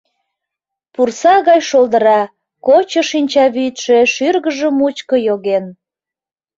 Пурса гай шолдыра, кочо шинчавӱдшӧ шӱргыжӧ мучко йоген.